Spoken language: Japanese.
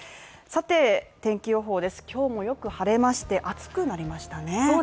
さて、天気予報です今日も良く晴れまして暑くなりましたね